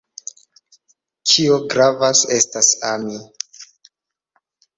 Kio gravas estas ami.